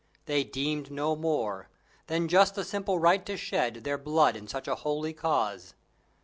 They deemed no more Than just the simple right to shed Their blood in such a holy cause.